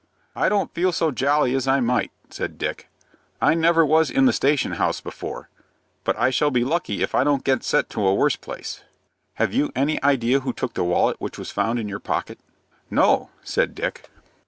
"I don't feel so jolly as I might," said Dick. "I never was in the station house before; but I shall be lucky if I don't get sent to a worse place." "Have you any idea who took the wallet which was found in your pocket?" "No," said Dick.